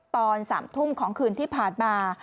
ตอน๓ทุ่มของคืนที่ผ่านมา